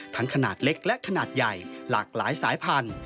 ขนาดเล็กและขนาดใหญ่หลากหลายสายพันธุ